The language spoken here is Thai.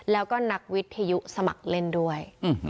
แล้วก็นักวิทยุสมัครเล่นด้วย